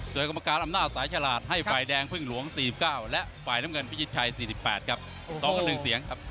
สวยกรรมการอำหน้าสายฉลาดให้ไฟล์แดงพึ่งหลวงสี่สิบเก้าและไฟล์น้ำเงินพิจิตชัยสี่สิบแปดครับสองตอนหนึ่งเสียงครับ